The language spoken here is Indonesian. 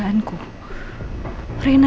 kita sudah berdua